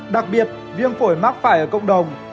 đặc biệt viêm phổi mắc phải ở cộng đồng